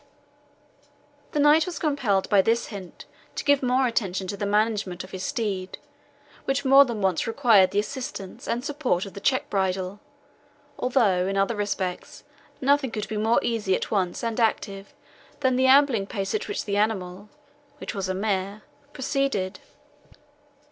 The knight was compelled by this hint to give more attention to the management of his steed, which more than once required the assistance and support of the check bridle, although, in other respects, nothing could be more easy at once, and active, than the ambling pace at which the animal (which was a mare) proceeded.